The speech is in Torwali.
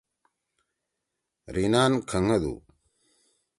ریِنان کھَنگدُو۔